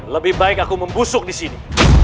lebih baik aku membusuk disini